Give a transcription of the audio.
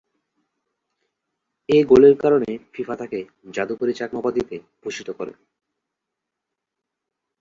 এ গোলের কারণে ফিফা তাকে ‘জাদুকরী চাকমা’ উপাধিতে ভূষিত করে।